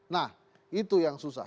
nah itu yang susah